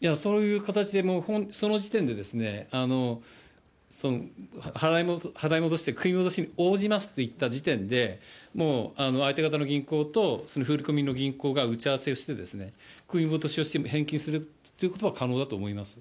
いや、そういう形で、本当その時点で、払い戻して、組み戻しに応じますと言った時点で、もう、相手方の銀行と振り込みの銀行が打ち合わせをして、組み戻しをする、返金をするということが可能だと思います。